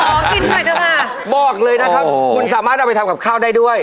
ขอกินหน่อยเถอะค่ะบอกเลยนะครับคุณสามารถเอาไปทำกับข้าวได้ด้วย